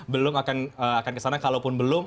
belum akan kesana kalaupun belum